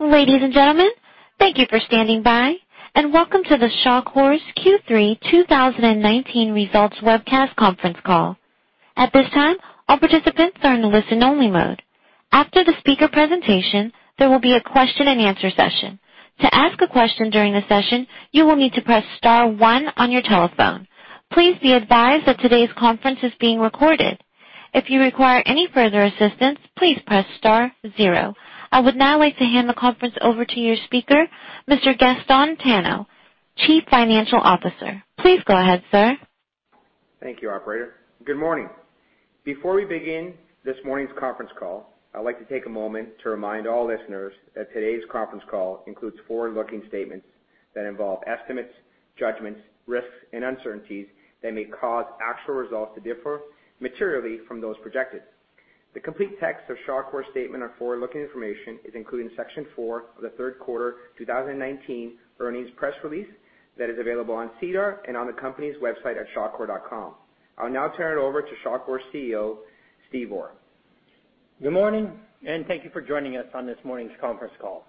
Ladies and gentlemen, thank you for standing by, and welcome to the Shawcor Q3 2019 Results Webcast Conference Call. At this time, all participants are in listen-only mode. After the speaker presentation, there will be a question-and-answer session. To ask a question during the session, you will need to press star one on your telephone. Please be advised that today's conference is being recorded. If you require any further assistance, please press star zero. I would now like to hand the conference over to your speaker, Mr. Gaston Tano, Chief Financial Officer. Please go ahead, sir. Thank you, Operator. Good morning. Before we begin this morning's conference call, I'd like to take a moment to remind all listeners that today's conference call includes forward-looking statements that involve estimates, judgments, risks, and uncertainties that may cause actual results to differ materially from those projected. The complete text of Shawcor's statement on forward-looking information is included in section four of the third quarter 2019 earnings press release that is available on SEDAR and on the company's website at shawcor.com. I'll now turn it over to Shawcor CEO, Steve Orr. Good morning, and thank you for joining us on this morning's conference call.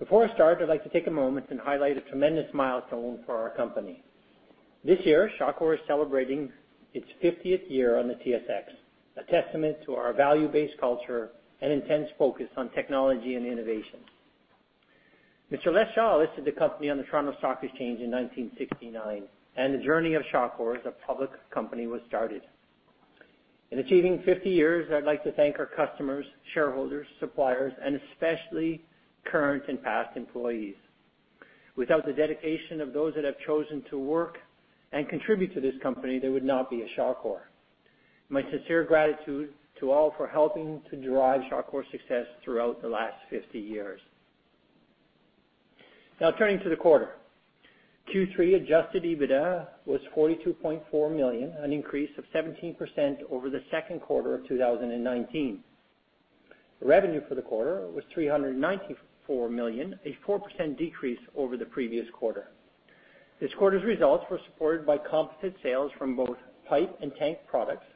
Before I start, I'd like to take a moment and highlight a tremendous milestone for our company. This year, Shawcor is celebrating its 50th year on the TSX, a testament to our value-based culture and intense focus on technology and innovation. Mr. Les Shaw listed the company on the Toronto Stock Exchange in 1969, and the journey of Shawcor as a public company was started. In achieving 50 years, I'd like to thank our customers, shareholders, suppliers, and especially current and past employees. Without the dedication of those that have chosen to work and contribute to this company, there would not be a Shawcor. My sincere gratitude to all for helping to drive Shawcor's success throughout the last 50 years. Now, turning to the quarter, Q3 adjusted EBITDA was 42.4 million, an increase of 17% over the second quarter of 2019. Revenue for the quarter was 394 million, a 4% decrease over the previous quarter. This quarter's results were supported by compo sales from both pipe and tank products,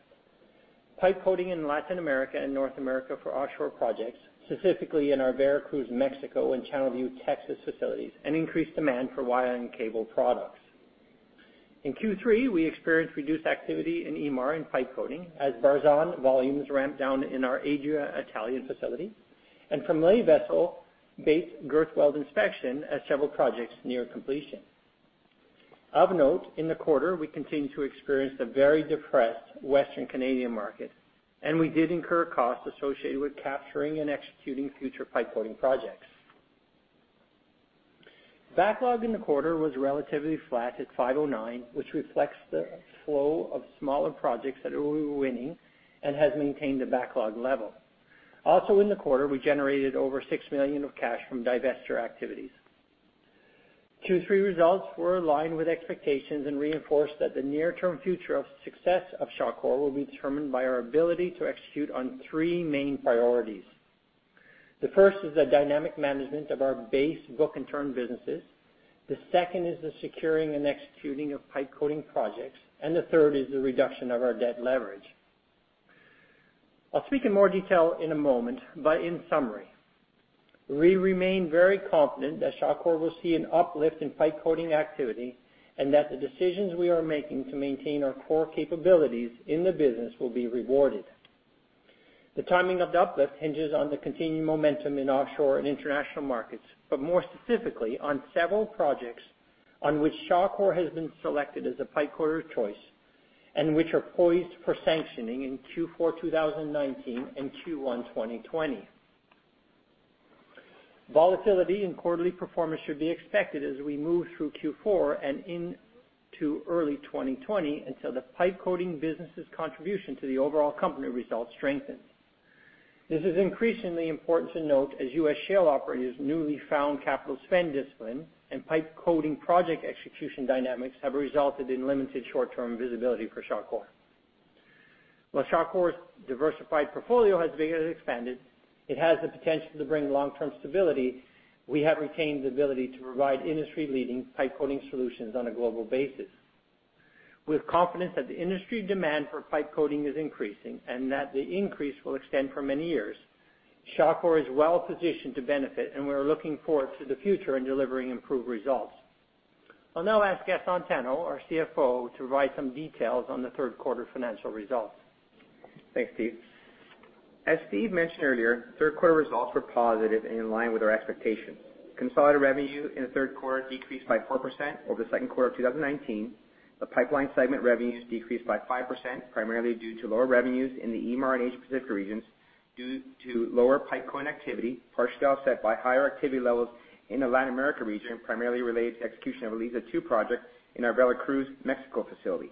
pipe coating in Latin America and North America for offshore projects, specifically in our Veracruz, Mexico, and Channelview, Texas facilities, and increased demand for wire and cable products. In Q3, we experienced reduced activity in EMAR and pipe coating as Barzan volumes ramped down in our Adria Italian facility, and from lay vessel-based girth weld inspection as several projects near completion. Of note, in the quarter, we continued to experience a very depressed Western Canadian market, and we did incur costs associated with capturing and executing future pipe coating projects. Backlog in the quarter was relatively flat at 509, which reflects the flow of smaller projects that we were winning and has maintained the backlog level. Also, in the quarter, we generated over 6 million of cash from divestiture activities. Q3 results were aligned with expectations and reinforced that the near-term future of success of Mattr will be determined by our ability to execute on three main priorities. The first is the dynamic management of our base book and turn businesses. The second is the securing and executing of pipe coating projects, and the third is the reduction of our debt leverage. I'll speak in more detail in a moment, but in summary, we remain very confident that Mattr will see an uplift in pipe coating activity and that the decisions we are making to maintain our core capabilities in the business will be rewarded. The timing of the uplift hinges on the continued momentum in offshore and international markets, but more specifically on several projects on which Shawcor has been selected as a pipe coater of choice and which are poised for sanctioning in Q4 2019 and Q1 2020. Volatility in quarterly performance should be expected as we move through Q4 and into early 2020 until the pipe coating business's contribution to the overall company results strengthens. This is increasingly important to note as U.S. shale operators newly found capital spend discipline and pipe coating project execution dynamics have resulted in limited short-term visibility for Shawcor. While Shawcor's diversified portfolio has expanded, it has the potential to bring long-term stability. We have retained the ability to provide industry-leading pipe coating solutions on a global basis. With confidence that the industry demand for pipe coating is increasing and that the increase will extend for many years, Shawcor is well positioned to benefit, and we're looking forward to the future and delivering improved results. I'll now ask Gaston Tano, our CFO, to provide some details on the third quarter financial results. Thanks, Steve. As Steve mentioned earlier, third quarter results were positive and in line with our expectations. Consolidated revenue in the third quarter decreased by 4% over the second quarter of 2019. The pipeline segment revenues decreased by 5%, primarily due to lower revenues in the EMAR and Asia-Pacific regions due to lower pipe coating activity, partially offset by higher activity levels in the Latin America region, primarily related to the execution of a Liza 2 project in our Veracruz, Mexico, facility.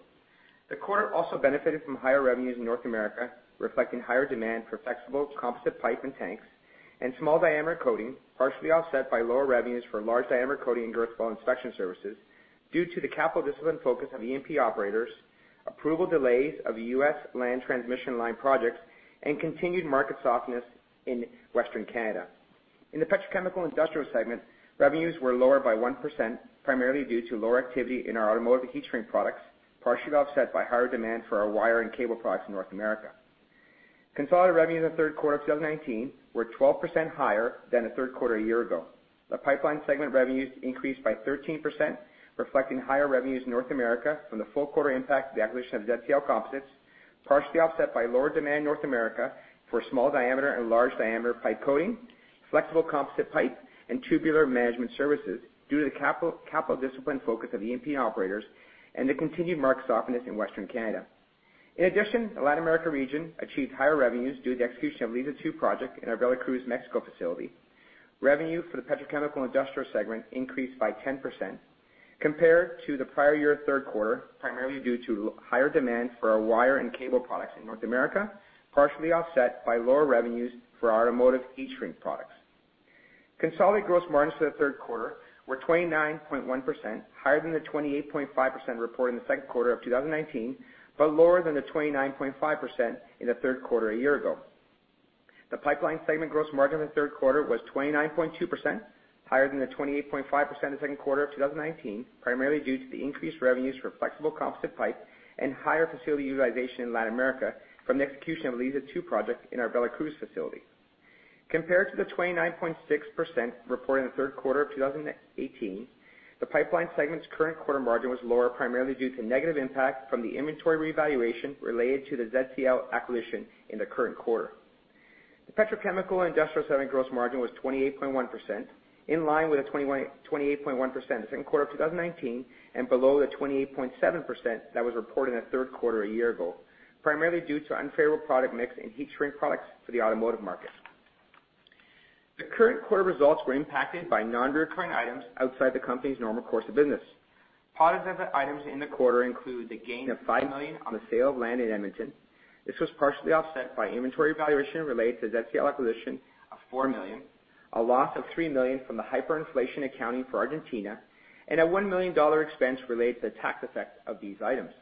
The quarter also benefited from higher revenues in North America, reflecting higher demand for flexible composite pipe and tanks and small diameter coating, partially offset by lower revenues for large diameter coating and girth weld inspection services due to the capital discipline focus of E&P operators, approval delays of US land transmission line projects, and continued market softness in Western Canada. In the petrochemical industrial segment, revenues were lower by 1%, primarily due to lower activity in our automotive heat shrink products, partially offset by higher demand for our wire and cable products in North America. Consolidated revenues in the third quarter of 2019 were 12% higher than the third quarter a year ago. The pipeline segment revenues increased by 13%, reflecting higher revenues in North America from the full quarter impact of the acquisition of ZCL Composites, partially offset by lower demand in North America for small diameter and large diameter pipe coating, flexible composite pipe, and tubular management services due to the capital discipline focus of E&P operators and the continued market softness in Western Canada. In addition, the Latin America region achieved higher revenues due to the execution of Liza 2 project in our Veracruz, Mexico, facility. Revenue for the petrochemical industrial segment increased by 10% compared to the prior year third quarter, primarily due to higher demand for our wire and cable products in North America, partially offset by lower revenues for automotive heat shrink products. Consolidated gross margins for the third quarter were 29.1%, higher than the 28.5% reported in the second quarter of 2019, but lower than the 29.5% in the third quarter a year ago. The pipeline segment gross margin for the third quarter was 29.2%, higher than the 28.5% of the second quarter of 2019, primarily due to the increased revenues for flexible composite pipe and higher facility utilization in Latin America from the execution of Liza 2 project in our Veracruz facility. Compared to the 29.6% reported in the third quarter of 2018, the pipeline segment's current quarter margin was lower, primarily due to negative impact from the inventory revaluation related to the ZCL acquisition in the current quarter. The petrochemical industrial segment gross margin was 28.1%, in line with the 28.1% of the second quarter of 2019 and below the 28.7% that was reported in the third quarter a year ago, primarily due to unfavorable product mix and heat shrink products for the automotive market. The current quarter results were impacted by non-recurring items outside the company's normal course of business. Positive items in the quarter include the gain of 5 million on the sale of land in Edmonton. This was partially offset by inventory valuation related to ZCL acquisition of $4 million, a loss of $3 million from the hyperinflation accounting for Argentina, and a $1 million expense related to the tax effect of these items.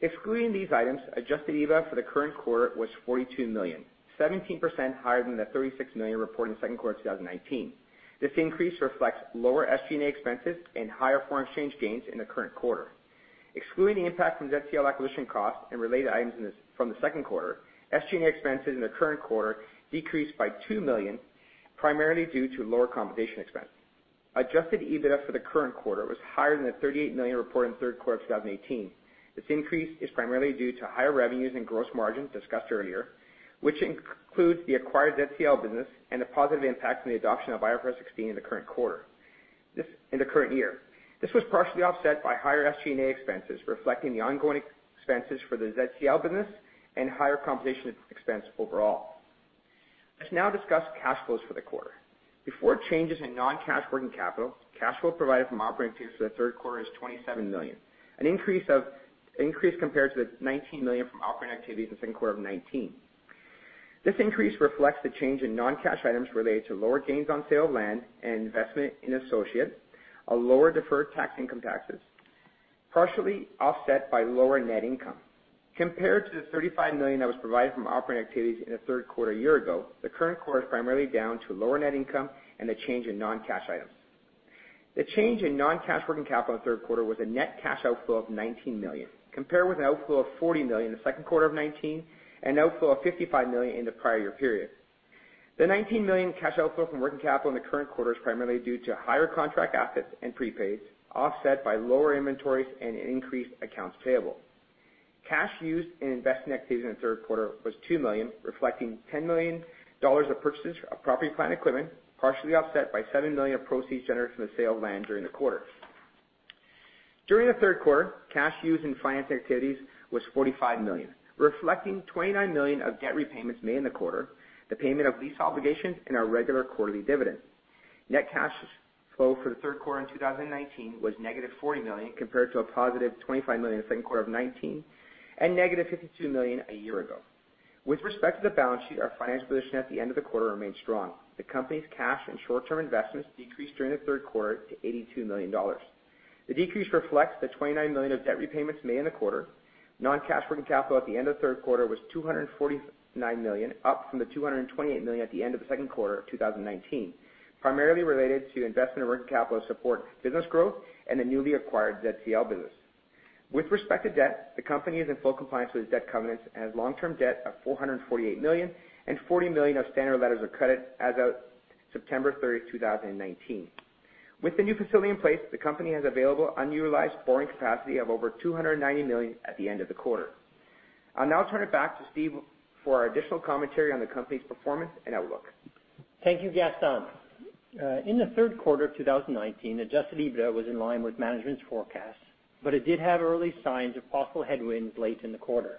Excluding these items, adjusted EBITDA for the current quarter was $42 million, 17% higher than the $36 million reported in the second quarter of 2019. This increase reflects lower SG&A expenses and higher foreign exchange gains in the current quarter. Excluding the impact from ZCL acquisition costs and related items from the second quarter, SG&A expenses in the current quarter decreased by $2 million, primarily due to lower compensation expense. Adjusted EBITDA for the current quarter was higher than the $38 million reported in the third quarter of 2018. This increase is primarily due to higher revenues and gross margins discussed earlier, which includes the acquired ZCL Composites business and the positive impact from the adoption of IFRS 16 in the current quarter in the current year. This was partially offset by higher SG&A expenses, reflecting the ongoing expenses for the ZCL Composites business and higher compensation expense overall. Let's now discuss cash flows for the quarter. Before changes in non-cash working capital, cash flow provided from operating activities for the third quarter is 27 million, an increase compared to the 19 million from operating activities in the second quarter of 2019. This increase reflects the change in non-cash items related to lower gains on sale of land and investment in associates, a lower deferred tax income taxes, partially offset by lower net income. Compared to the 35 million that was provided from operating activities in the third quarter a year ago, the current quarter is primarily down to lower net income and the change in non-cash items. The change in non-cash working capital in the third quarter was a net cash outflow of 19 million, compared with an outflow of 40 million in the second quarter of 2019 and an outflow of 55 million in the prior year period. The 19 million cash outflow from working capital in the current quarter is primarily due to higher contract assets and prepaids, offset by lower inventories and increased accounts payable. Cash used in investment activities in the third quarter was 2 million, reflecting $10 million of purchases of property, plant and equipment, partially offset by 7 million of proceeds generated from the sale of land during the quarter. During the third quarter, cash used in finance activities was $45 million, reflecting $29 million of debt repayments made in the quarter, the payment of lease obligations, and our regular quarterly dividend. Net cash flow for the third quarter in 2019 was negative $40 million compared to a positive $25 million in the second quarter of 2019 and negative $52 million a year ago. With respect to the balance sheet, our financial position at the end of the quarter remained strong. The company's cash and short-term investments decreased during the third quarter to $82 million. The decrease reflects the $29 million of debt repayments made in the quarter. Non-cash working capital at the end of the third quarter was 249 million, up from the 228 million at the end of the second quarter of 2019, primarily related to investment in working capital to support business growth and the newly acquired ZCL Composites business. With respect to debt, the company is in full compliance with its debt covenants and has long-term debt of 448 million and 40 million of standard letters of credit as of September 30th, 2019. With the new facility in place, the company has available unutilized borrowing capacity of over 290 million at the end of the quarter. I'll now turn it back to Steve for our additional commentary on the company's performance and outlook. Thank you, Gaston. In the third quarter of 2019, adjusted EBITDA was in line with management's forecasts, but it did have early signs of possible headwinds late in the quarter.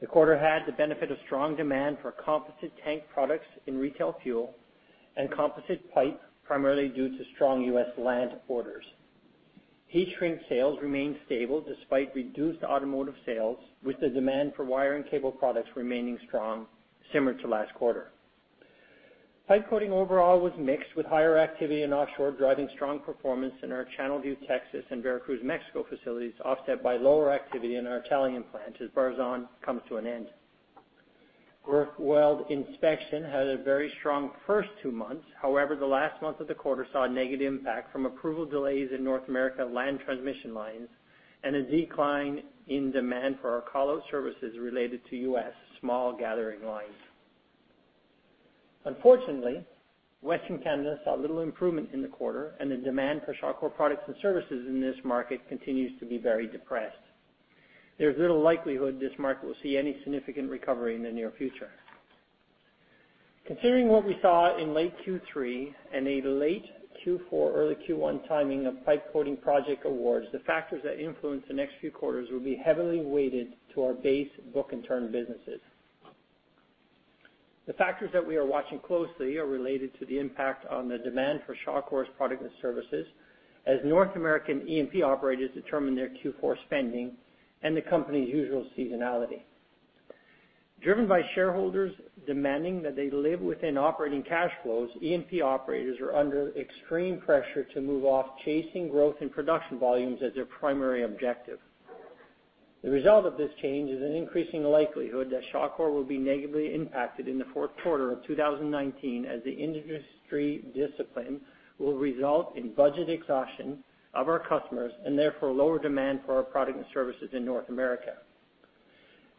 The quarter had the benefit of strong demand for composite tank products in retail fuel and composite pipe, primarily due to strong U.S. land orders. Heat shrink sales remained stable despite reduced automotive sales, with the demand for wire and cable products remaining strong, similar to last quarter. Pipe coating overall was mixed with higher activity in offshore, driving strong performance in our Channelview, Texas, and Veracruz, Mexico facilities, offset by lower activity in our Italian plant as Barzan comes to an end. Girth weld inspection had a very strong first two months. However, the last month of the quarter saw a negative impact from approval delays in North America land transmission lines and a decline in demand for our callout services related to US small gathering lines. Unfortunately, Western Canada saw little improvement in the quarter, and the demand for Shawcor products and services in this market continues to be very depressed. There's little likelihood this market will see any significant recovery in the near future. Considering what we saw in late Q3 and a late Q4, early Q1 timing of pipe coating project awards, the factors that influence the next few quarters will be heavily weighted to our base book and turn businesses. The factors that we are watching closely are related to the impact on the demand for Shawcor product and services as North American E&P operators determine their Q4 spending and the company's usual seasonality. Driven by shareholders demanding that they live within operating cash flows, E&P operators are under extreme pressure to move off chasing growth in production volumes as their primary objective. The result of this change is an increasing likelihood that Shawcor will be negatively impacted in the fourth quarter of 2019 as the industry discipline will result in budget exhaustion of our customers and therefore lower demand for our product and services in North America.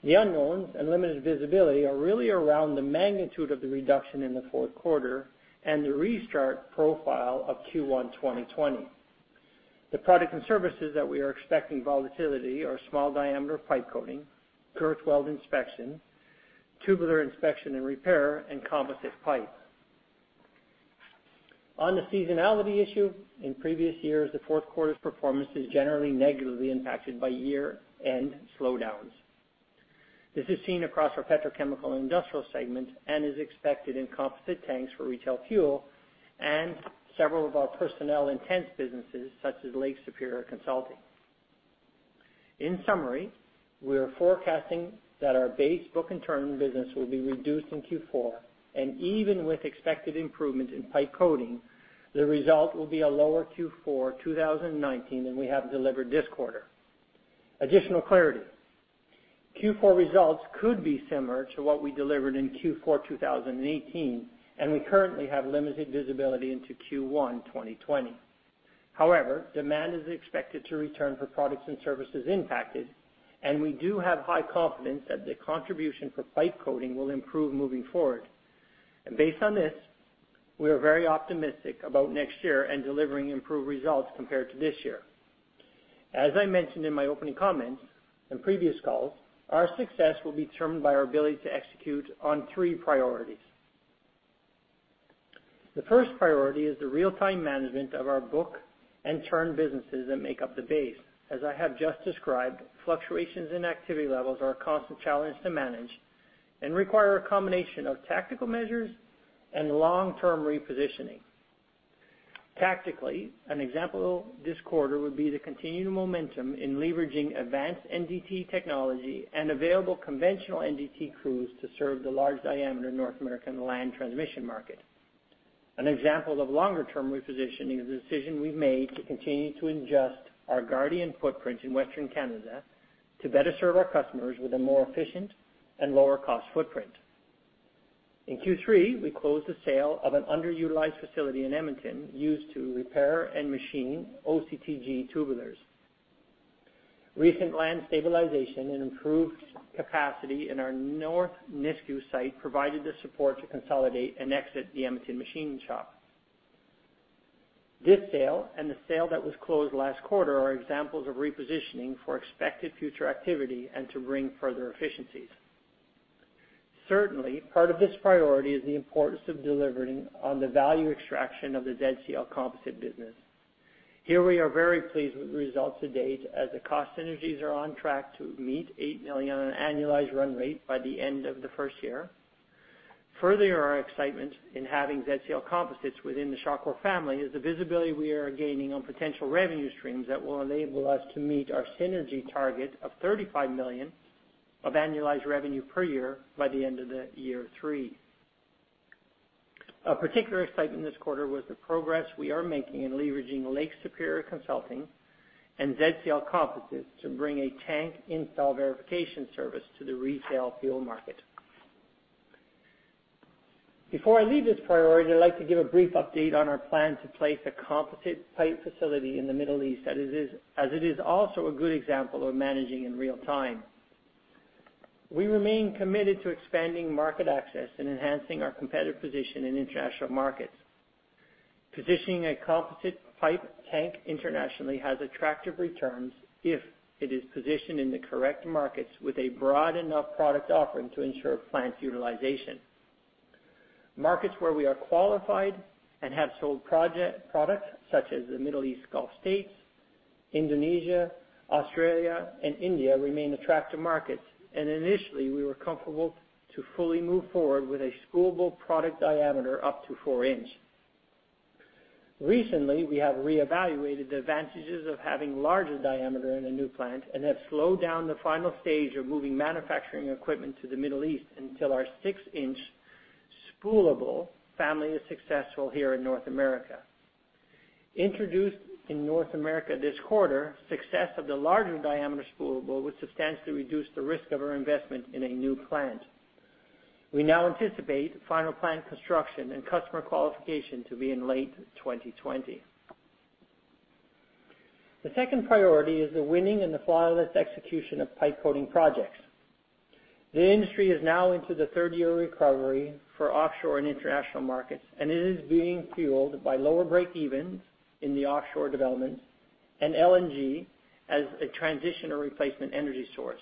The unknowns and limited visibility are really around the magnitude of the reduction in the fourth quarter and the restart profile of Q1 2020. The product and services that we are expecting volatility are small diameter pipe coating, girth weld inspection, tubular inspection and repair, and composite pipe. On the seasonality issue, in previous years, the fourth quarter's performance is generally negatively impacted by year-end slowdowns. This is seen across our petrochemical industrial segment and is expected in composite tanks for retail fuel and several of our personnel-intense businesses such as Lake Superior Consulting. In summary, we are forecasting that our base book and turn business will be reduced in Q4, and even with expected improvement in pipe coating, the result will be a lower Q4 2019 than we have delivered this quarter. Additional clarity. Q4 results could be similar to what we delivered in Q4 2018, and we currently have limited visibility into Q1 2020. However, demand is expected to return for products and services impacted, and we do have high confidence that the contribution for pipe coating will improve moving forward. Based on this, we are very optimistic about next year and delivering improved results compared to this year. As I mentioned in my opening comments and previous calls, our success will be determined by our ability to execute on three priorities. The first priority is the real-time management of our book and turn businesses that make up the base. As I have just described, fluctuations in activity levels are a constant challenge to manage and require a combination of tactical measures and long-term repositioning. Tactically, an example this quarter would be the continued momentum in leveraging advanced NDT technology and available conventional NDT crews to serve the large diameter North American land transmission market. An example of longer-term repositioning is the decision we've made to continue to adjust our Guardian footprint in Western Canada to better serve our customers with a more efficient and lower-cost footprint. In Q3, we closed the sale of an underutilized facility in Edmonton used to repair and machine OCTG tubulars. Recent land stabilization and improved capacity in our Nisku site provided the support to consolidate and exit the Edmonton machine shop. This sale and the sale that was closed last quarter are examples of repositioning for expected future activity and to bring further efficiencies. Certainly, part of this priority is the importance of delivering on the value extraction of the ZCL Composites business. Here we are very pleased with the results to date as the cost synergies are on track to meet 8 million on an annualized run rate by the end of the first year. Further, our excitement in having ZCL Composites within the Shawcor family is the visibility we are gaining on potential revenue streams that will enable us to meet our synergy target of 35 million of annualized revenue per year by the end of year three. A particular excitement this quarter was the progress we are making in leveraging Lake Superior Consulting and ZCL Composites to bring a tank install verification service to the retail fuel market. Before I leave this priority, I'd like to give a brief update on our plan to place a composite pipe facility in the Middle East as it is also a good example of managing in real time. We remain committed to expanding market access and enhancing our competitive position in international markets. Positioning a composite pipe plant internationally has attractive returns if it is positioned in the correct markets with a broad enough product offering to ensure plant utilization. Markets where we are qualified and have sold products such as the Middle East Gulf States, Indonesia, Australia, and India remain attractive markets, and initially, we were comfortable to fully move forward with a spoolable product diameter up to 4-inch. Recently, we have reevaluated the advantages of having larger diameter in a new plant and have slowed down the final stage of moving manufacturing equipment to the Middle East until our 6-inch spoolable family is successful here in North America. Introduced in North America this quarter, success of the larger diameter spoolable would substantially reduce the risk of our investment in a new plant. We now anticipate final plant construction and customer qualification to be in late 2020. The second priority is the winning and the flawless execution of pipe coating projects. The industry is now into the third year recovery for offshore and international markets, and it is being fueled by lower break-evens in the offshore developments and LNG as a transition or replacement energy source.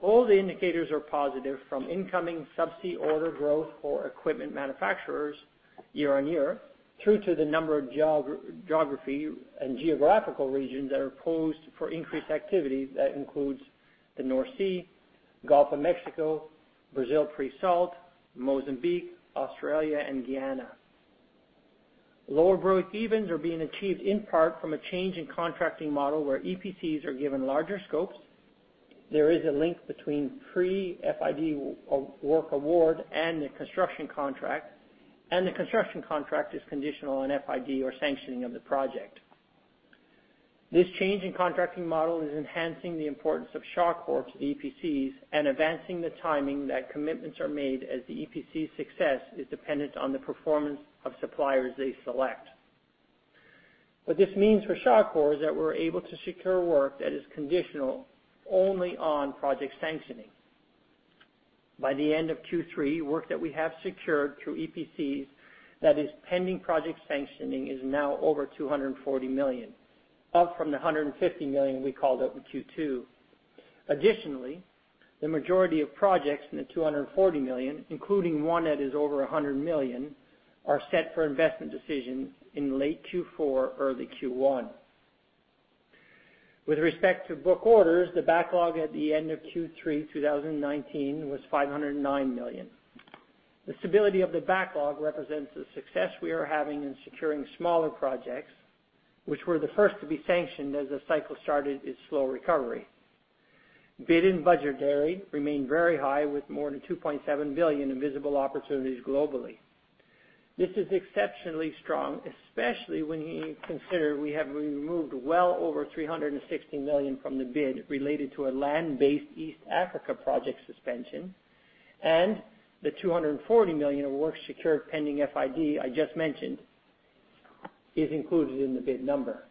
All the indicators are positive from incoming subsea order growth for equipment manufacturers year on year through to the number of geography and geographical regions that are poised for increased activity that includes the North Sea, Gulf of Mexico, Brazil pre-salt, Mozambique, Australia, and Guyana. Lower break-evens are being achieved in part from a change in contracting model where EPCs are given larger scopes. There is a link between pre-FID work award and the construction contract, and the construction contract is conditional on FID or sanctioning of the project. This change in contracting model is enhancing the importance of Shawcor EPCs and advancing the timing that commitments are made as the EPC success is dependent on the performance of suppliers they select. What this means for Shawcor is that we're able to secure work that is conditional only on project sanctioning. By the end of Q3, work that we have secured through EPCs that is pending project sanctioning is now over 240 million, up from the 150 million we called out in Q2. Additionally, the majority of projects in the 240 million, including one that is over 100 million, are set for investment decision in late Q4, early Q1. With respect to book orders, the backlog at the end of Q3 2019 was 509 million. The stability of the backlog represents the success we are having in securing smaller projects, which were the first to be sanctioned as the cycle started its slow recovery. Bid and budgetary remained very high with more than 2.7 billion in visible opportunities globally. This is exceptionally strong, especially when you consider we have removed well over 360 million from the bid related to a land-based East Africa project suspension, and the 240 million of work secured pending FID I just mentioned is included in the bid number.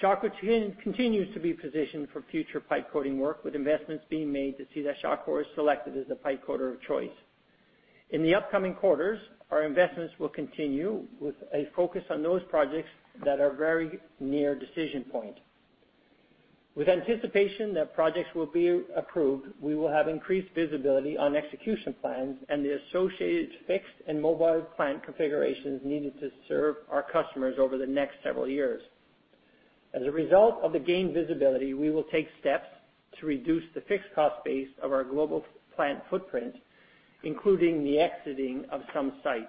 Shawcor continues to be positioned for future pipe coating work, with investments being made to see that Shawcor is selected as the pipe coater of choice. In the upcoming quarters, our investments will continue with a focus on those projects that are very near decision point. With anticipation that projects will be approved, we will have increased visibility on execution plans and the associated fixed and mobile plant configurations needed to serve our customers over the next several years. As a result of the gained visibility, we will take steps to reduce the fixed cost base of our global plant footprint, including the exiting of some sites.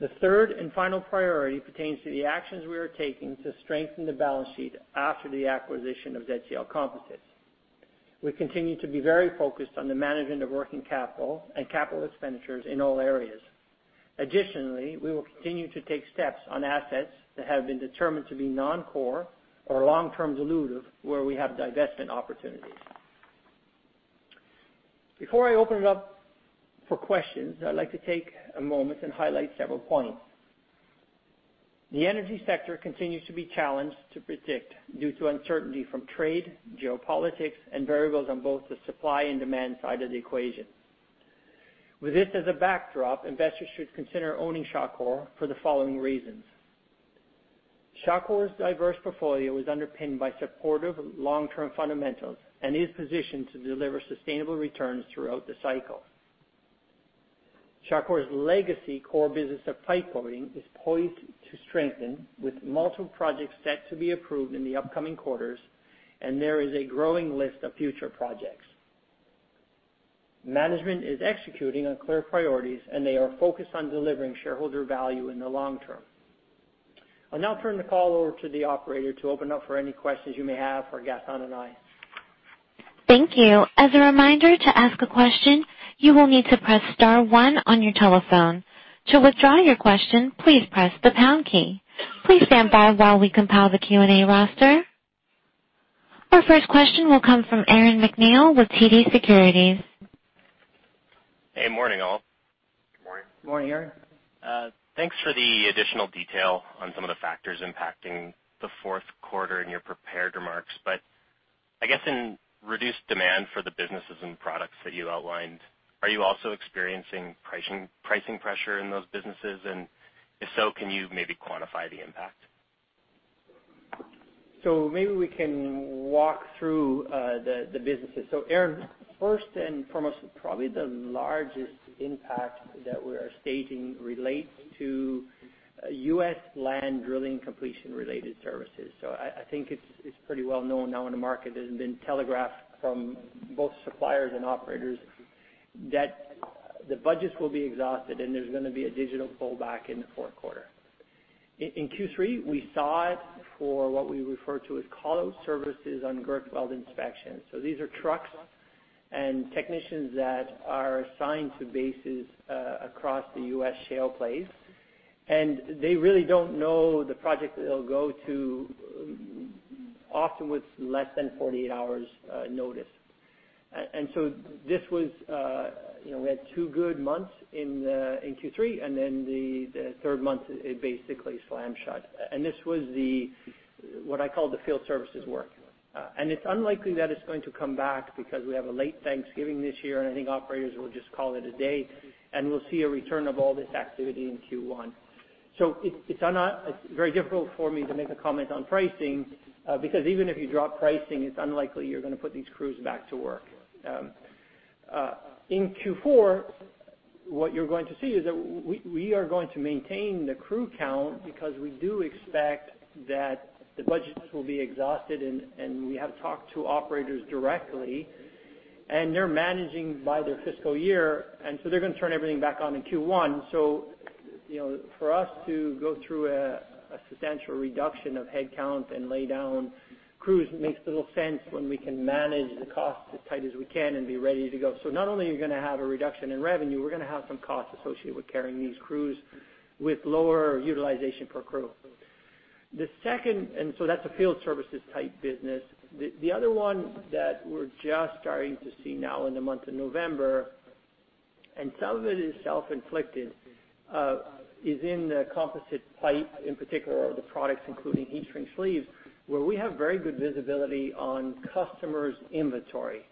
The third and final priority pertains to the actions we are taking to strengthen the balance sheet after the acquisition of ZCL Composites. We continue to be very focused on the management of working capital and capital expenditures in all areas. Additionally, we will continue to take steps on assets that have been determined to be non-core or long-term dilutive where we have divestment opportunities. Before I open it up for questions, I'd like to take a moment and highlight several points. The energy sector continues to be challenged to predict due to uncertainty from trade, geopolitics, and variables on both the supply and demand side of the equation. With this as a backdrop, investors should consider owning Shawcor for the following reasons. Shawcor's diverse portfolio is underpinned by supportive long-term fundamentals and is positioned to deliver sustainable returns throughout the cycle. Shawcor's legacy core business of pipe coating is poised to strengthen with multiple projects set to be approved in the upcoming quarters, and there is a growing list of future projects. Management is executing on clear priorities, and they are focused on delivering shareholder value in the long term. I'll now turn the call over to the operator to open up for any questions you may have for Gaston and I. Thank you. As a reminder to ask a question, you will need to press star one on your telephone. To withdraw your question, please press the pound key. Please stand by while we compile the Q&A roster. Our first question will come from Aaron MacNeil with TD Securities. Hey, morning all. Good morning. Morning, Aaron. Thanks for the additional detail on some of the factors impacting the fourth quarter in your prepared remarks, but I guess in reduced demand for the businesses and products that you outlined, are you also experiencing pricing pressure in those businesses? And if so, can you maybe quantify the impact? So maybe we can walk through the businesses. So Aaron, first and foremost, probably the largest impact that we are stating relates to U.S. land drilling completion-related services. So I think it's pretty well known now in the market. It has been telegraphed from both suppliers and operators that the budgets will be exhausted and there's going to be a digital pullback in the fourth quarter. In Q3, we saw it for what we refer to as callout services on girth weld inspections. So these are trucks and technicians that are assigned to bases across the U.S. shale plays, and they really don't know the project that they'll go to often with less than 48 hours notice. And so this was, we had two good months in Q3, and then the third month, it basically slam shut. And this was what I call the field services work. It's unlikely that it's going to come back because we have a late Thanksgiving this year, and I think operators will just call it a day, and we'll see a return of all this activity in Q1. So it's very difficult for me to make a comment on pricing because even if you drop pricing, it's unlikely you're going to put these crews back to work. In Q4, what you're going to see is that we are going to maintain the crew count because we do expect that the budgets will be exhausted, and we have talked to operators directly, and they're managing by their fiscal year, and so they're going to turn everything back on in Q1. So for us to go through a substantial reduction of headcount and lay down crews makes little sense when we can manage the costs as tight as we can and be ready to go. So not only are you going to have a reduction in revenue, we're going to have some costs associated with carrying these crews with lower utilization per crew. The second, and so that's a field services type business. The other one that we're just starting to see now in the month of November, and some of it is self-inflicted, is in the composite pipe in particular or the products including heat-shrink sleeves where we have very good visibility on customers' inventory.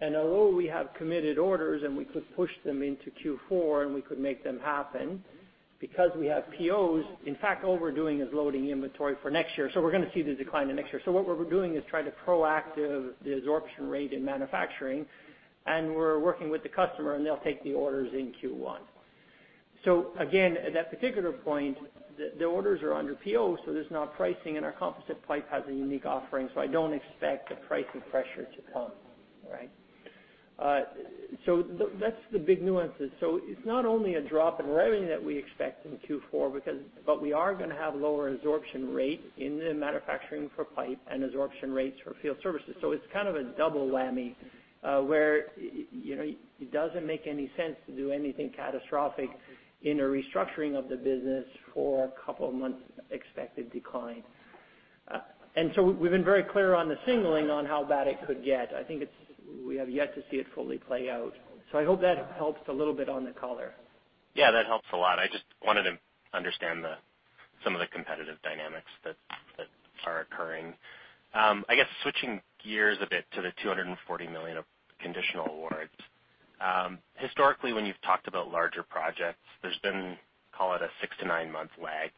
And although we have committed orders and we could push them into Q4 and we could make them happen because we have POs, in fact, all we're doing is loading inventory for next year, so we're going to see the decline in next year. So what we're doing is trying to proactive the absorption rate in manufacturing, and we're working with the customer, and they'll take the orders in Q1. So again, at that particular point, the orders are under PO, so there's not pricing, and our composite pipe has a unique offering, so I don't expect the pricing pressure to come, right? So that's the big nuances. So it's not only a drop in revenue that we expect in Q4, but we are going to have lower absorption rate in the manufacturing for pipe and absorption rates for field services. So it's kind of a double whammy where it doesn't make any sense to do anything catastrophic in a restructuring of the business for a couple of months expected decline. And so we've been very clear on the signaling on how bad it could get. I think we have yet to see it fully play out. So I hope that helps a little bit on the color. Yeah, that helps a lot. I just wanted to understand some of the competitive dynamics that are occurring. I guess switching gears a bit to the $240 million of conditional awards. Historically, when you've talked about larger projects, there's been, call it a 6-9-month lag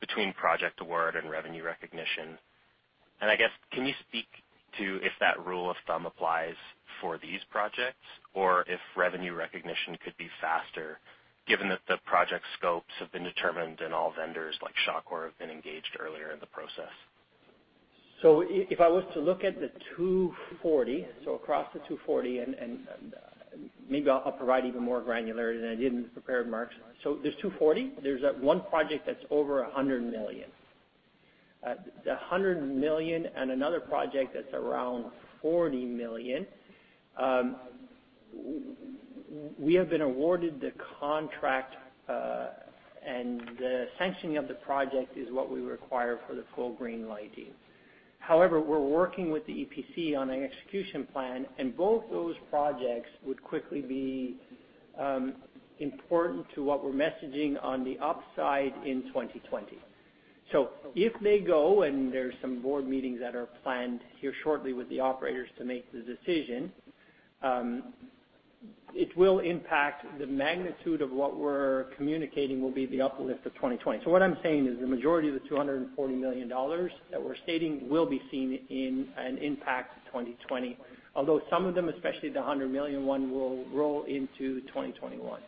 between project award and revenue recognition. I guess, can you speak to if that rule of thumb applies for these projects or if revenue recognition could be faster given that the project scopes have been determined and all vendors like Shawcor have been engaged earlier in the process? So if I was to look at the $240 million, so across the $240 million, and maybe I'll provide even more granularity than I did in the prepared remarks. So there's $240 million. There's one project that's over $100 million. The $100 million and another project that's around $40 million. We have been awarded the contract, and the sanctioning of the project is what we require for the full greenlighting. However, we're working with the EPC on an execution plan, and both those projects would quickly be important to what we're messaging on the upside in 2020. So if they go and there's some board meetings that are planned here shortly with the operators to make the decision, it will impact the magnitude of what we're communicating will be the uplift of 2020. What I'm saying is the majority of the $240 million that we're stating will be seen in an impact of 2020, although some of them, especially the $100 million one, will roll into 2021.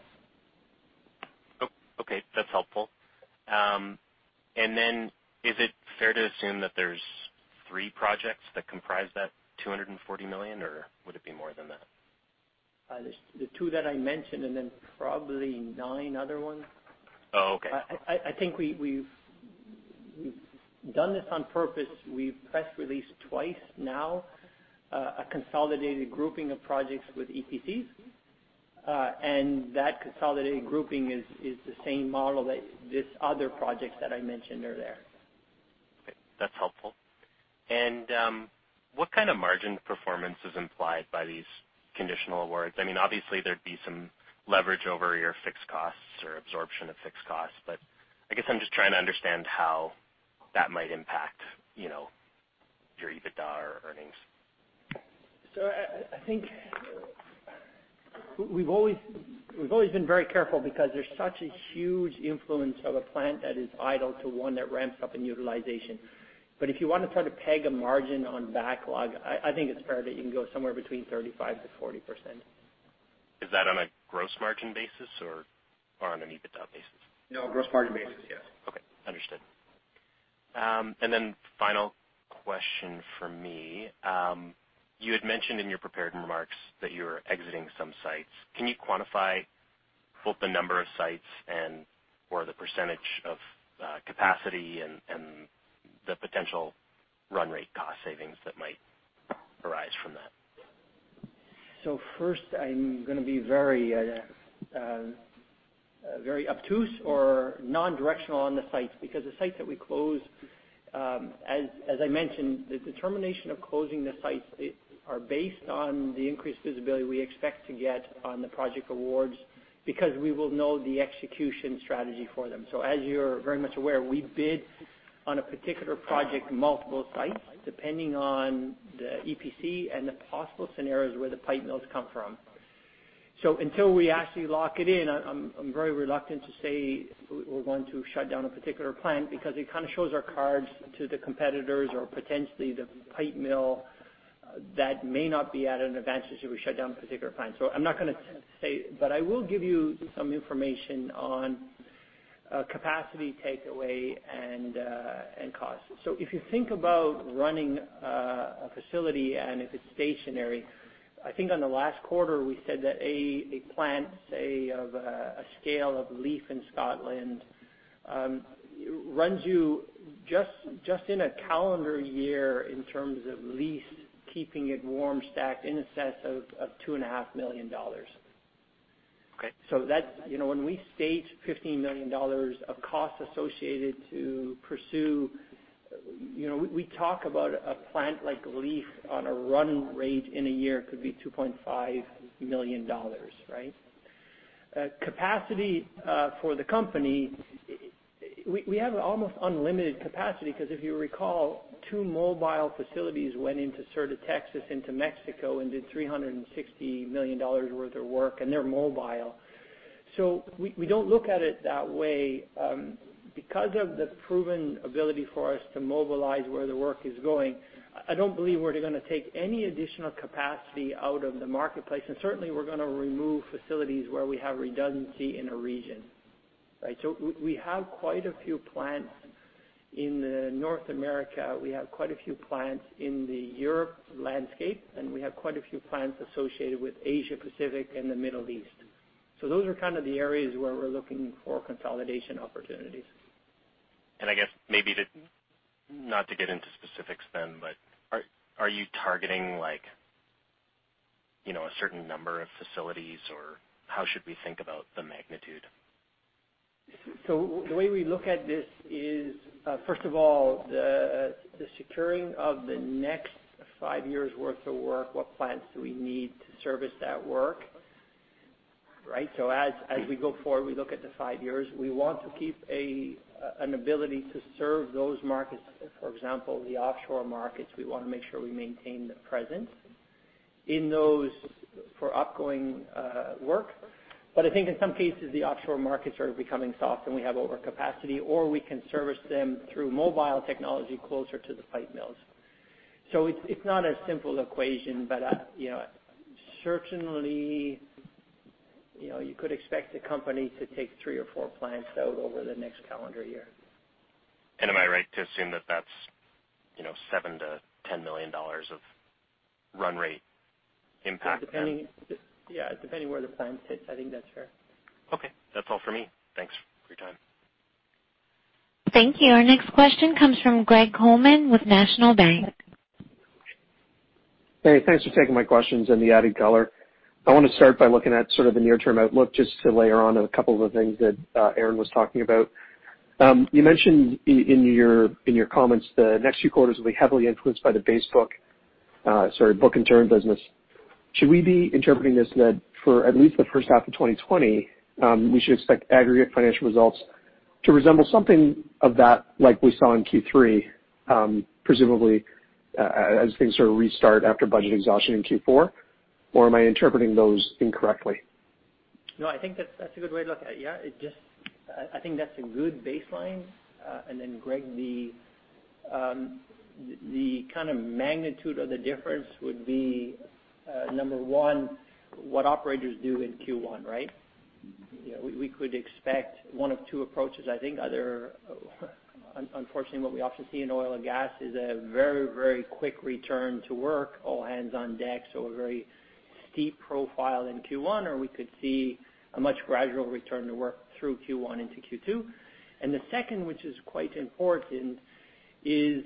Okay. That's helpful. And then is it fair to assume that there's three projects that comprise that 240 million, or would it be more than that? The two that I mentioned and then probably nine other ones. Oh, okay. I think we've done this on purpose. We've press release twice now, a consolidated grouping of projects with EPCs, and that consolidated grouping is the same model that this other project that I mentioned earlier. Okay. That's helpful. And what kind of margin performance is implied by these conditional awards? I mean, obviously, there'd be some leverage over your fixed costs or absorption of fixed costs, but I guess I'm just trying to understand how that might impact your EBITDA or earnings? So I think we've always been very careful because there's such a huge influence of a plant that is idle to one that ramps up in utilization. But if you want to try to peg a margin on backlog, I think it's fair that you can go somewhere between 35%-40%. Is that on a gross margin basis or on an EBITDA basis? No, gross margin basis, yes. Okay. Understood. And then final question for me. You had mentioned in your prepared remarks that you're exiting some sites. Can you quantify both the number of sites and/or the percentage of capacity and the potential run rate cost savings that might arise from that? So first, I'm going to be very obtuse or non-directional on the sites because the sites that we close, as I mentioned, the determination of closing the sites are based on the increased visibility we expect to get on the project awards because we will know the execution strategy for them. So as you're very much aware, we bid on a particular project, multiple sites depending on the EPC and the possible scenarios where the pipe mills come from. So until we actually lock it in, I'm very reluctant to say we're going to shut down a particular plant because it kind of shows our cards to the competitors or potentially the pipe mill that may not be at an advantage if we shut down a particular plant. So I'm not going to say, but I will give you some information on capacity takeaway and cost. So if you think about running a facility and if it's stationary, I think on the last quarter we said that a plant, say, of a scale of Leith in Scotland runs you just in a calendar year in terms of lease, keeping it warm, stacked in a sense of $2.5 million. So when we state $15 million of cost associated to pursue, we talk about a plant like Leith on a run rate in a year could be $2.5 million, right? Capacity for the company, we have almost unlimited capacity because if you recall, two mobile facilities went into Sur de Texas, into Mexico and did $360 million worth of work, and they're mobile. So we don't look at it that way. Because of the proven ability for us to mobilize where the work is going, I don't believe we're going to take any additional capacity out of the marketplace. Certainly, we're going to remove facilities where we have redundancy in a region, right? We have quite a few plants in North America. We have quite a few plants in the Europe landscape, and we have quite a few plants associated with Asia Pacific and the Middle East. Those are kind of the areas where we're looking for consolidation opportunities. I guess maybe not to get into specifics then, but are you targeting a certain number of facilities, or how should we think about the magnitude? So the way we look at this is, first of all, the securing of the next five years' worth of work, what plants do we need to service that work, right? So as we go forward, we look at the five years. We want to keep an ability to serve those markets. For example, the offshore markets, we want to make sure we maintain the presence for upcoming work. But I think in some cases, the offshore markets are becoming soft and we have overcapacity, or we can service them through mobile technology closer to the pipe mills. So it's not a simple equation, but certainly, you could expect the company to take three or four plants out over the next calendar year. Am I right to assume that that's $7-$10 million of run rate impact? Yeah, depending where the plant sits. I think that's fair. Okay. That's all for me. Thanks for your time. Thank you. Our next question comes from Greg Colman with National Bank. Hey, thanks for taking my questions in the added color. I want to start by looking at sort of the near-term outlook just to layer on a couple of the things that Aaron was talking about. You mentioned in your comments the next few quarters will be heavily influenced by the base book-and-turn business. Should we be interpreting this that for at least the first half of 2020, we should expect aggregate financial results to resemble something of that like we saw in Q3, presumably as things sort of restart after budget exhaustion in Q4? Or am I interpreting those incorrectly? No, I think that's a good way to look at it. Yeah, I think that's a good baseline. And then, Greg, the kind of magnitude of the difference would be, number one, what operators do in Q1, right? We could expect one of two approaches. I think, unfortunately, what we often see in oil and gas is a very, very quick return to work, all hands on deck, so a very steep profile in Q1, or we could see a much gradual return to work through Q1 into Q2. And the second, which is quite important, is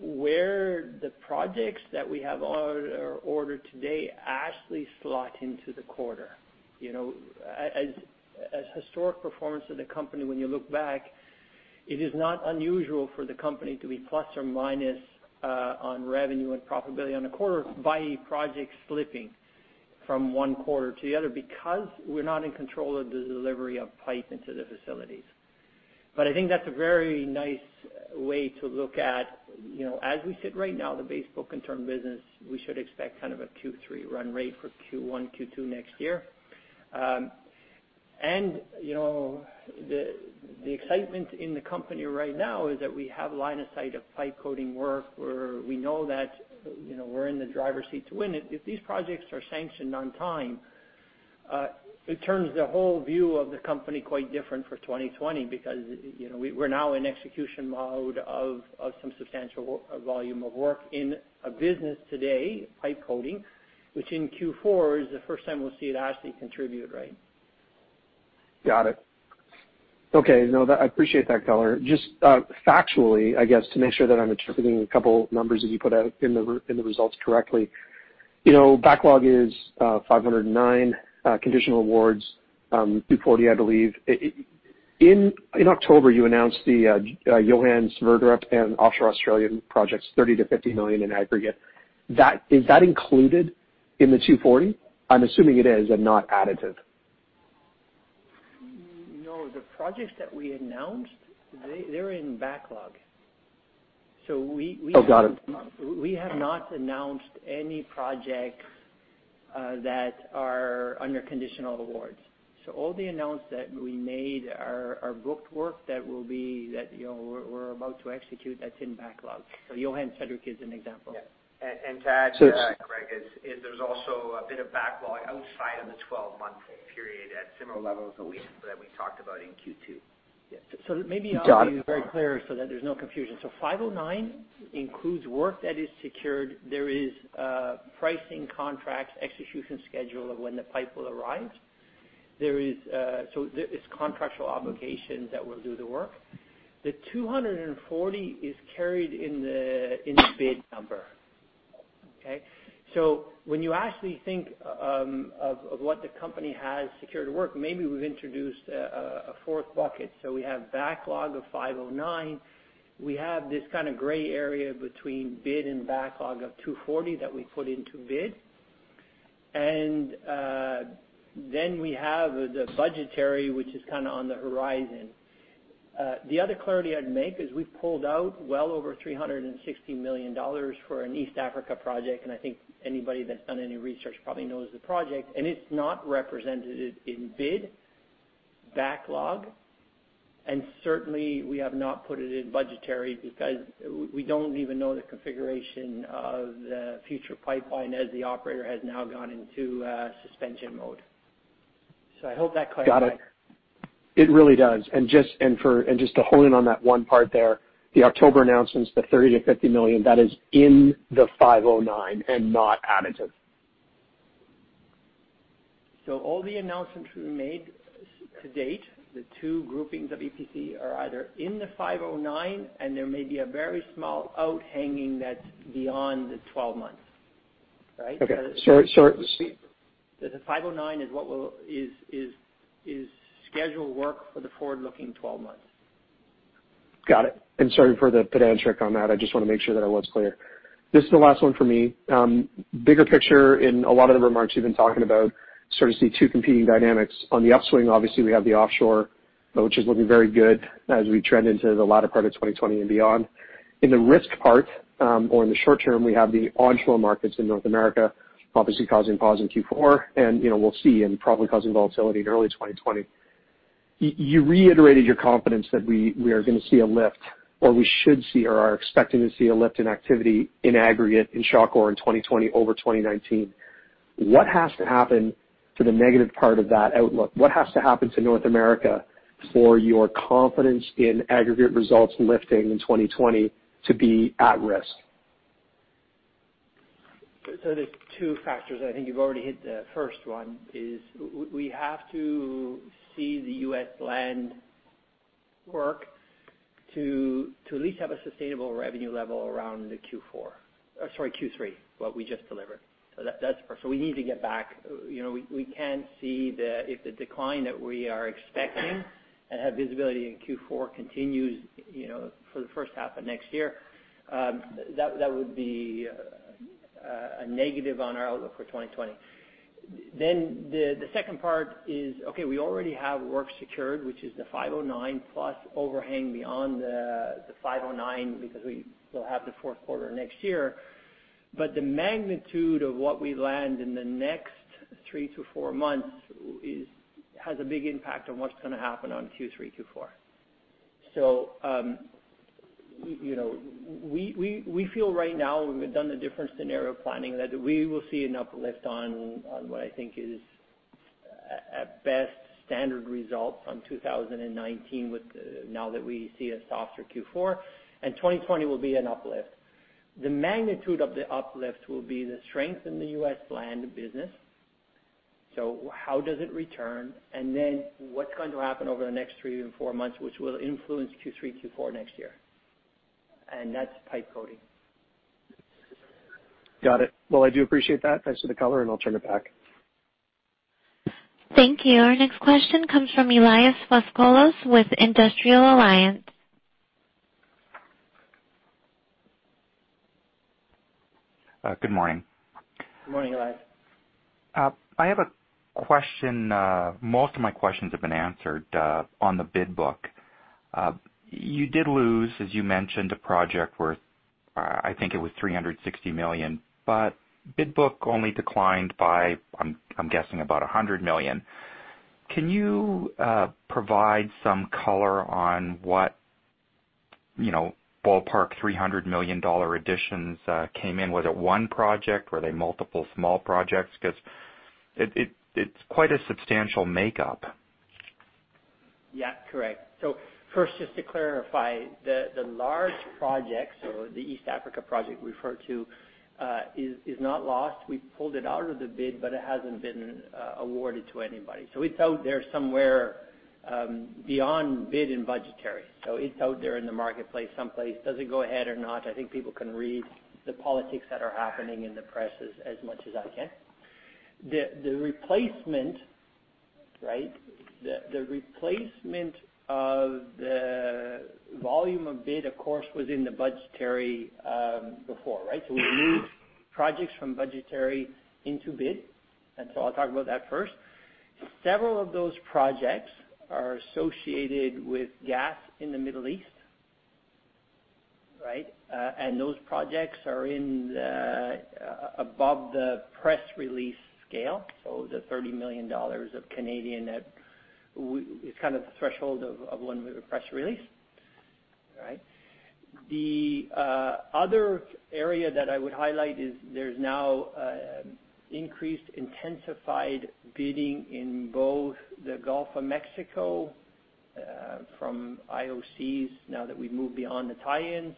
where the projects that we have ordered today actually slot into the quarter. As historic performance of the company, when you look back, it is not unusual for the company to be plus or minus on revenue and profitability on a quarter by project slipping from one quarter to the other because we're not in control of the delivery of pipe into the facilities. But I think that's a very nice way to look at, as we sit right now, the base book and turn business, we should expect kind of a Q3 run rate for Q1, Q2 next year. And the excitement in the company right now is that we have line of sight of pipe coating work where we know that we're in the driver's seat to win it. If these projects are sanctioned on time, it turns the whole view of the company quite different for 2020 because we're now in execution mode of some substantial volume of work in a business today, pipe coating, which in Q4 is the first time we'll see it actually contribute, right? Got it. Okay. No, I appreciate that color. Just factually, I guess, to make sure that I'm interpreting a couple of numbers that you put out in the results correctly, backlog is $509, conditional awards $240, I believe. In October, you announced the Johan Sverdrup and offshore Australian projects, $30 million-$50 million in aggregate. Is that included in the $240? I'm assuming it is and not additive. No, the projects that we announced, they're in backlog. So we have not announced any projects that are under conditional awards. So all the announcements that we made are booked work that will be that we're about to execute that's in backlog. So Johan Sverdrup is an example. And to add to that, Greg, there's also a bit of backlog outside of the 12-month period at similar levels that we talked about in Q2. So maybe I'll be very clear so that there's no confusion. So 509 includes work that is secured. There is pricing contracts, execution schedule of when the pipe will arrive. So it's contractual obligations that will do the work. The 240 is carried in the bid number, okay? So when you actually think of what the company has secured work, maybe we've introduced a fourth bucket. So we have backlog of 509. We have this kind of gray area between bid and backlog of 240 that we put into bid. And then we have the budgetary, which is kind of on the horizon. The other clarity I'd make is we've pulled out well over $360 million for an East Africa project, and I think anybody that's done any research probably knows the project, and it's not represented in bid, backlog, and certainly, we have not put it in budgetary because we don't even know the configuration of the future pipeline as the operator has now gone into suspension mode. So I hope that clarifies. Got it. It really does. Just to hone in on that one part there, the October announcements, 30 million-50 million, that is in the 509 and not additive. So all the announcements we made to date, the two groupings of EPC are either in the 509, and there may be a very small overhanging that's beyond the 12 months, right? Okay. So. The 509 is scheduled work for the forward-looking 12 months. Got it. And sorry for the pedantic on that. I just want to make sure that I was clear. This is the last one for me. Bigger picture in a lot of the remarks you've been talking about, sort of see two competing dynamics. On the upswing, obviously, we have the offshore, which is looking very good as we trend into the latter part of 2020 and beyond. In the risk part, or in the short term, we have the onshore markets in North America, obviously causing pause in Q4, and we'll see, and probably causing volatility in early 2020. You reiterated your confidence that we are going to see a lift, or we should see, or are expecting to see a lift in activity in aggregate in Shawcor in 2020 over 2019. What has to happen for the negative part of that outlook? What has to happen to North America for your confidence in aggregate results lifting in 2020 to be at risk? So there's two factors. I think you've already hit the first one, is we have to see the U.S. land work to at least have a sustainable revenue level around the Q4, sorry, Q3, what we just delivered. So that's first. So we need to get back. We can't see that if the decline that we are expecting and have visibility in Q4 continues for the first half of next year, that would be a negative on our outlook for 2020. Then the second part is, okay, we already have work secured, which is the $509 plus overhang beyond the $509 because we will have the fourth quarter next year. But the magnitude of what we land in the next three to four months has a big impact on what's going to happen on Q3, Q4. We feel right now we've done a different scenario planning that we will see an uplift on what I think is at best standard results on 2019 now that we see a softer Q4, and 2020 will be an uplift. The magnitude of the uplift will be the strength in the U.S. land business. How does it return? Then what's going to happen over the next three and four months, which will influence Q3, Q4 next year? That's pipe coating. Got it. Well, I do appreciate that. Thanks for the color, and I'll turn it back. Thank you. Our next question comes from Elias Foscolos with Industrial Alliance. Good morning. Good morning, Elias. I have a question. Most of my questions have been answered on the bid book. You did lose, as you mentioned, a project worth, I think it was $360 million, but bid book only declined by, I'm guessing, about $100 million. Can you provide some color on what ballpark $300 million additions came in? Was it one project? Were they multiple small projects? Because it's quite a substantial makeup. Yeah, correct. So first, just to clarify, the large project, so the East Africa project we referred to, is not lost. We pulled it out of the bid, but it hasn't been awarded to anybody. So it's out there somewhere beyond bid and budgetary. So it's out there in the marketplace someplace. Does it go ahead or not? I think people can read the politics that are happening in the press as much as I can. The replacement, right? The replacement of the volume of bid, of course, was in the budgetary before, right? So we moved projects from budgetary into bid. And so I'll talk about that first. Several of those projects are associated with gas in the Middle East, right? And those projects are above the press release scale. So the 30 million dollars is kind of the threshold of when we have a press release, right? The other area that I would highlight is there's now increased intensified bidding in both the Gulf of Mexico from IOCs now that we've moved beyond the tie-ins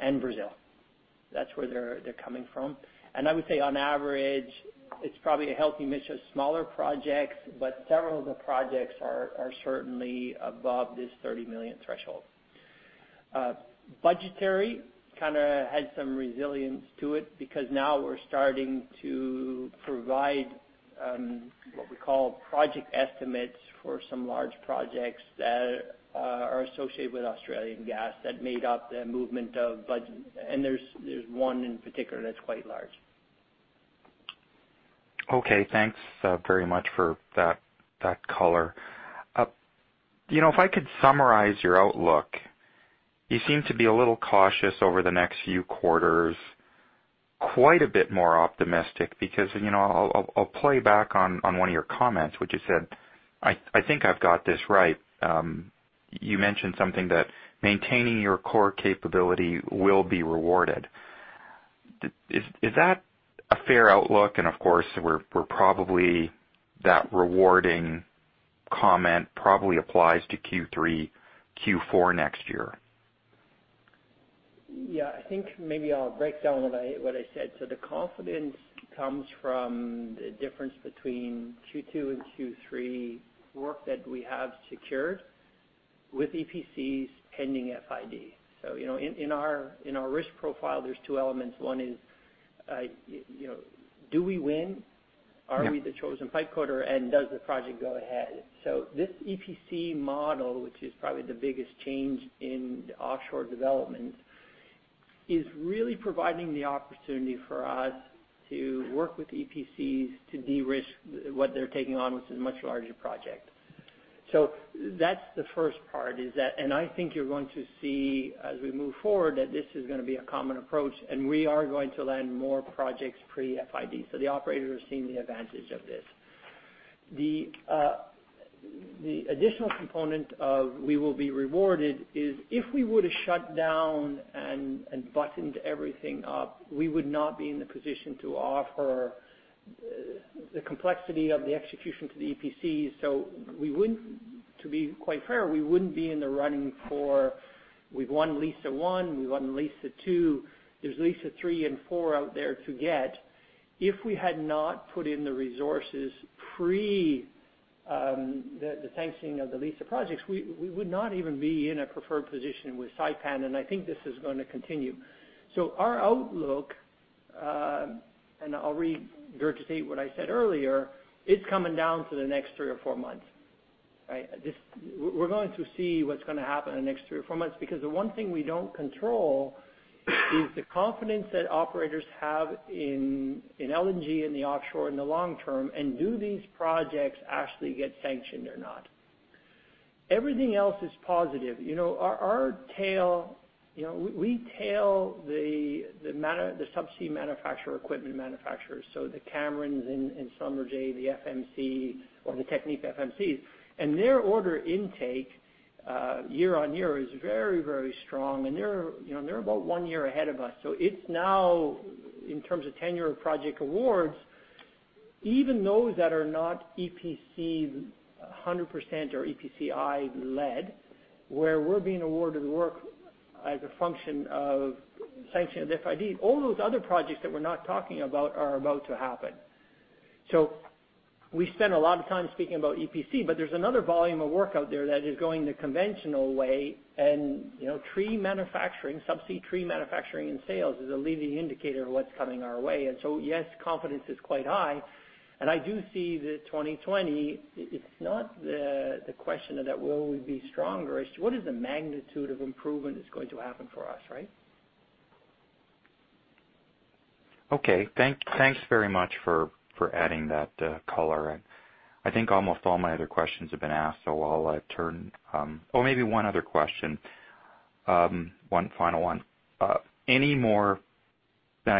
and Brazil. That's where they're coming from. I would say on average, it's probably a healthy mix of smaller projects, but several of the projects are certainly above this 30 million threshold. Budgetary kind of has some resilience to it because now we're starting to provide what we call project estimates for some large projects that are associated with Australian gas that made up the movement of budget. There's one in particular that's quite large. Okay. Thanks very much for that color. If I could summarize your outlook, you seem to be a little cautious over the next few quarters, quite a bit more optimistic because I'll play back on one of your comments, which you said, "I think I've got this right." You mentioned something that maintaining your core capability will be rewarded. Is that a fair outlook? And of course, that rewarding comment probably applies to Q3, Q4 next year. Yeah. I think maybe I'll break down what I said. So the confidence comes from the difference between Q2 and Q3 work that we have secured with EPCs pending FID. So in our risk profile, there's two elements. One is, do we win? Are we the chosen pipe coater? And does the project go ahead? So this EPC model, which is probably the biggest change in offshore development, is really providing the opportunity for us to work with EPCs to de-risk what they're taking on with a much larger project. So that's the first part is that, and I think you're going to see as we move forward that this is going to be a common approach, and we are going to land more projects pre-FID. So the operators are seeing the advantage of this. The additional component of we will be rewarded is if we would have shut down and buttoned everything up, we would not be in the position to offer the complexity of the execution to the EPCs. So to be quite fair, we wouldn't be in the running for. We've won Liza 1, we've won Liza 2. There's Liza 3 and 4 out there to get. If we had not put in the resources pre the sanctioning of the Liza projects, we would not even be in a preferred position with Saipem, and I think this is going to continue. So our outlook, and I'll regurgitate what I said earlier, it's coming down to the next three or four months, right? We're going to see what's going to happen in the next 3 or 4 months because the one thing we don't control is the confidence that operators have in LNG and the offshore in the long term and do these projects actually get sanctioned or not. Everything else is positive. Our tail, we tail the subsea manufacturer equipment manufacturers. So the Camerons and Schlumberger, the FMC, or the TechnipFMCs. And their order intake year-on-year is very, very strong, and they're about 1 year ahead of us. So it's now, in terms of tenure project awards, even those that are not EPC 100% or EPCI led, where we're being awarded work as a function of sanctioning of FID, all those other projects that we're not talking about are about to happen. We spent a lot of time speaking about EPC, but there's another volume of work out there that is going the conventional way, and subsea tree manufacturing and sales is a leading indicator of what's coming our way. So yes, confidence is quite high. I do see that 2020, it's not the question of that will we be stronger. It's what is the magnitude of improvement that's going to happen for us, right? Okay. Thanks very much for adding that color. I think almost all my other questions have been asked, so I'll turn or maybe one other question, one final one. I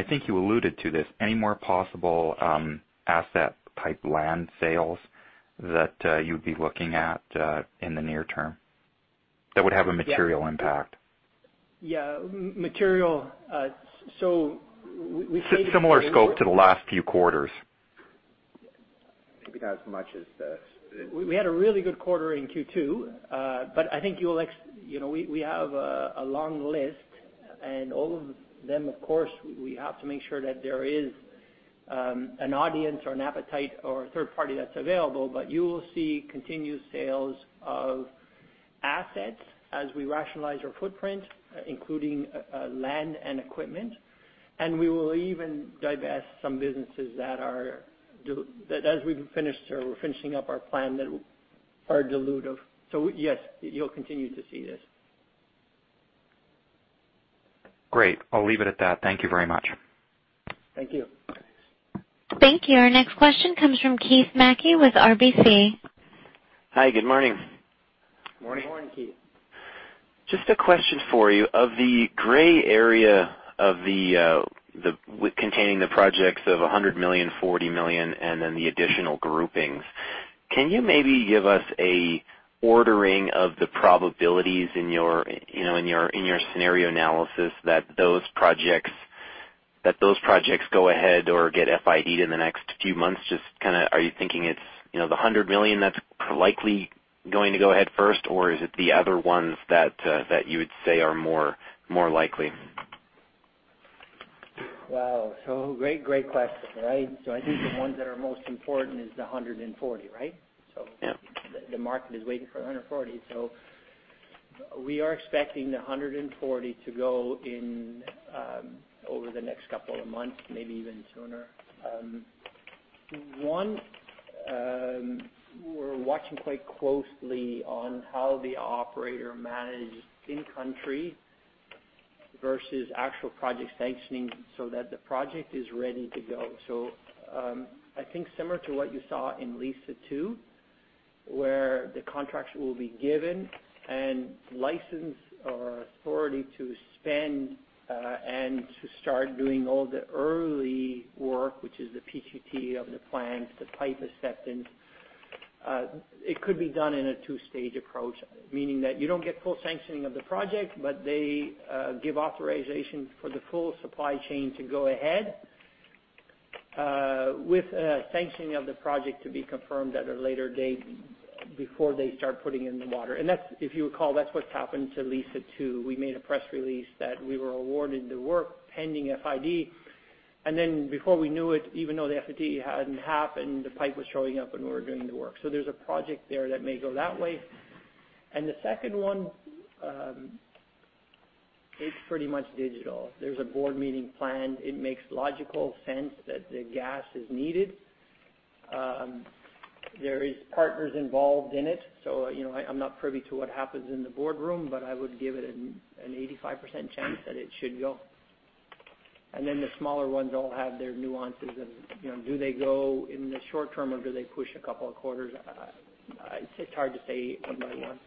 think you alluded to this. Any more possible asset-type land sales that you'd be looking at in the near term that would have a material impact? Yeah. Material. So we can. Same similar scope to the last few quarters. Maybe not as much as the. We had a really good quarter in Q2, but I think you'll see we have a long list, and all of them, of course, we have to make sure that there is an audience or an appetite or a third party that's available, but you will see continued sales of assets as we rationalize our footprint, including land and equipment. And we will even divest some businesses that are that as we finish or we're finishing up our plan that are dilutive. So yes, you'll continue to see this. Great. I'll leave it at that. Thank you very much. Thank you. Thank you. Our next question comes from Keith Mackey with RBC. Hi. Good morning. Good morning. Good morning, Keith. Just a question for you. Of the gray area containing the projects of $100 million, $40 million, and then the additional groupings, can you maybe give us an ordering of the probabilities in your scenario analysis that those projects go ahead or get FID'd in the next few months? Just kind of are you thinking it's the $100 million that's likely going to go ahead first, or is it the other ones that you would say are more likely? Wow. So great, great question, right? So I think the ones that are most important is the 140, right? Yeah. The market is waiting for the 140. We are expecting the 140 to go in over the next couple of months, maybe even sooner. One, we're watching quite closely on how the operator manages in-country versus actual project sanctioning so that the project is ready to go. I think similar to what you saw in Liza 2, where the contracts will be given and license or authority to spend and to start doing all the early work, which is the PQT of the plans, the pipe acceptance. It could be done in a two-stage approach, meaning that you don't get full sanctioning of the project, but they give authorization for the full supply chain to go ahead with sanctioning of the project to be confirmed at a later date before they start putting in the water. And if you recall, that's what's happened to Liza 2. We made a press release that we were awarded the work pending FID. And then before we knew it, even though the FID hadn't happened, the pipe was showing up and we were doing the work. So there's a project there that may go that way. And the second one, it's pretty much digital. There's a board meeting planned. It makes logical sense that the gas is needed. There are partners involved in it. So I'm not privy to what happens in the boardroom, but I would give it an 85% chance that it should go. And then the smaller ones all have their nuances of do they go in the short term or do they push a couple of quarters? It's hard to say one by one.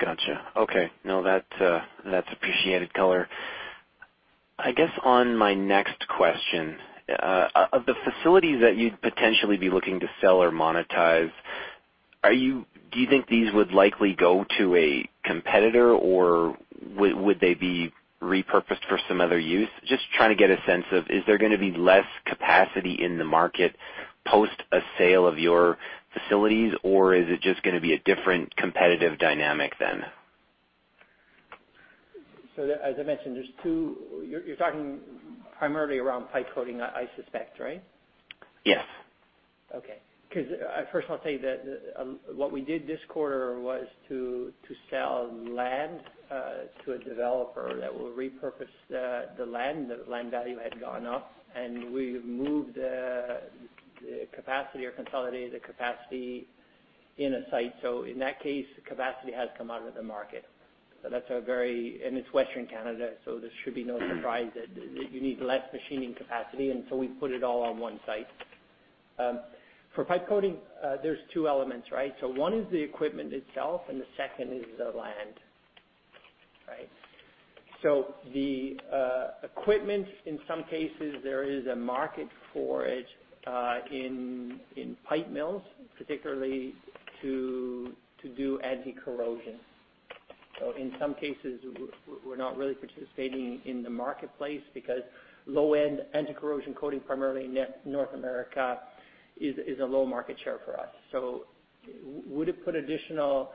Gotcha. Okay. No, that's appreciated color. I guess on my next question, of the facilities that you'd potentially be looking to sell or monetize, do you think these would likely go to a competitor, or would they be repurposed for some other use? Just trying to get a sense of is there going to be less capacity in the market post a sale of your facilities, or is it just going to be a different competitive dynamic then? As I mentioned, there's two you're talking primarily around pipe coating, I suspect, right? Yes. Okay. Because first, I'll tell you that what we did this quarter was to sell land to a developer that will repurpose the land. The land value had gone up, and we moved the capacity or consolidated the capacity in a site. So in that case, the capacity has come out of the market. So that's a very and it's Western Canada, so there should be no surprise that you need less machining capacity. And so we put it all on one site. For pipe coating, there's two elements, right? So one is the equipment itself, and the second is the land, right? So the equipment, in some cases, there is a market for it in pipe mills, particularly to do anti-corrosion. So in some cases, we're not really participating in the marketplace because low-end anti-corrosion coating, primarily in North America, is a low market share for us. Would it put additional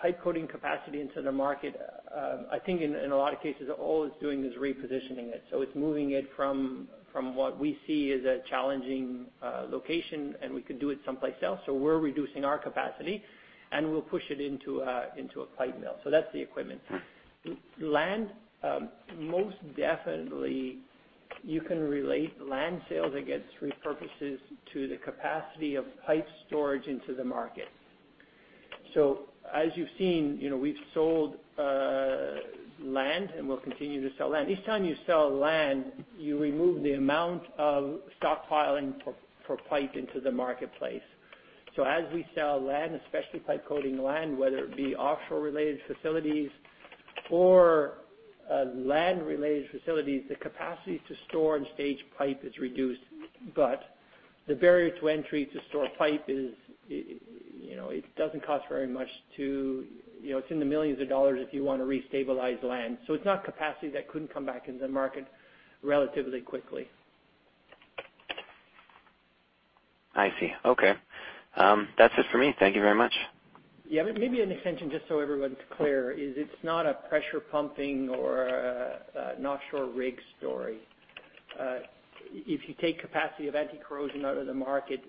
pipe coating capacity into the market? I think in a lot of cases, all it's doing is repositioning it. It's moving it from what we see as a challenging location, and we could do it someplace else. We're reducing our capacity, and we'll push it into a pipe mill. That's the equipment. Land, most definitely, you can relate land sales against repurposes to the capacity of pipe storage into the market. As you've seen, we've sold land, and we'll continue to sell land. Each time you sell land, you remove the amount of stockpiling for pipe into the marketplace. As we sell land, especially pipe coating land, whether it be offshore-related facilities or land-related facilities, the capacity to store and stage pipe is reduced. But the barrier to entry for storing pipe is it doesn't cost very much. It's in the millions of dollars if you want to reestablish a plant. So it's not capacity that couldn't come back into the market relatively quickly. I see. Okay. That's it for me. Thank you very much. Yeah. Maybe an extension, just so everyone's clear, is it's not a pressure pumping or an offshore rig story. If you take capacity of anti-corrosion out of the market,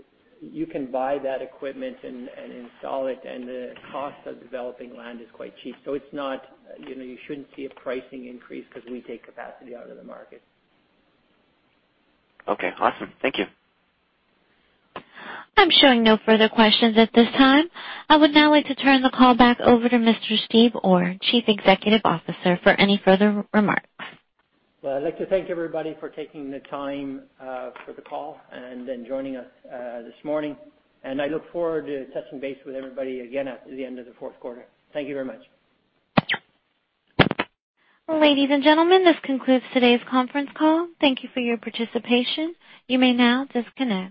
you can buy that equipment and install it, and the cost of developing land is quite cheap. So it's not. You shouldn't see a pricing increase because we take capacity out of the market. Okay. Awesome. Thank you. I'm showing no further questions at this time. I would now like to turn the call back over to Mr. Steve Orr, Chief Executive Officer, for any further remarks. Well, I'd like to thank everybody for taking the time for the call and joining us this morning. And I look forward to touching base with everybody again at the end of the fourth quarter. Thank you very much. Ladies and gentlemen, this concludes today's conference call. Thank you for your participation. You may now disconnect.